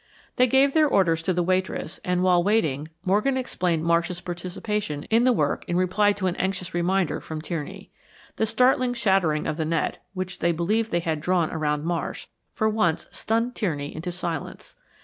They gave their orders to the waitress, and while waiting, Morgan explained Marsh's participation in the work in reply to an anxious reminder from Tierney. The startling shattering of the net, which they believed they had drawn around Marsh, for once stunned Tierney into silence.